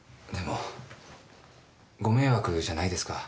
でもご迷惑じゃないですか？